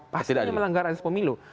pastinya melanggar asas pemilu